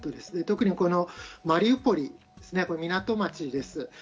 特にマリウポリですね、港町です。